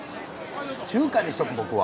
中華にしておく、僕は。